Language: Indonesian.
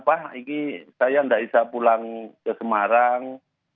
pak ini saya tidak bisa pulang ke semarang